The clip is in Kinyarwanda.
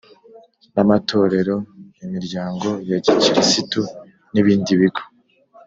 N amatorero imiryango ya gikirisitu n ibindi bigo